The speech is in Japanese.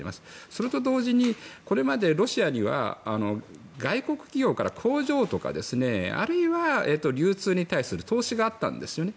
それと同時にこれまでロシアには外国企業から工場とかあるいは流通に対する投資があったんですよね。